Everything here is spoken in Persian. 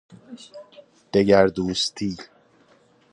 دگردوستی